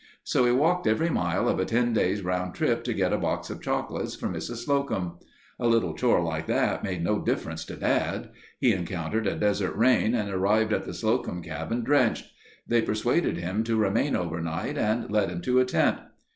So he walked every mile of a ten days' round trip to get a box of chocolates for Mrs. Slocum. A little chore like that made no difference to Dad. He encountered a desert rain and arrived at the Slocum cabin drenched. They persuaded him to remain overnight and led him to a tent.